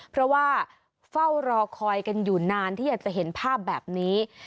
เพราะว่าเฝ้ารอคอยกันอยู่นานที่อยากจะเห็นภาพแบบนี้